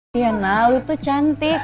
siena lu tuh cantik